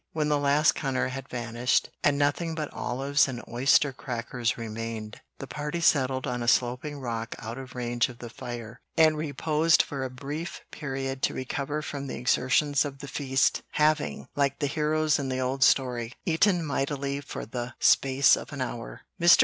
When the last cunner had vanished and nothing but olives and oyster crackers remained, the party settled on a sloping rock out of range of the fire, and reposed for a brief period to recover from the exertions of the feast, having, like the heroes in the old story, "eaten mightily for the space of an hour." Mr.